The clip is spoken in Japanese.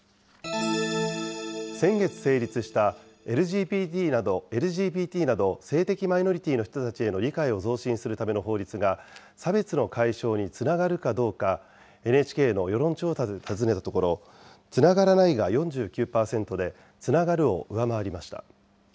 先月成立した、ＬＧＢＴなど性的マイノリティーの人たちへの理解を増進するための法律が、差別の解消につながるかどうか、ＮＨＫの世論調査で尋ねたところ、つながらないが４９％で、つながるを上回りました。